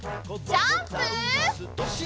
ジャンプ！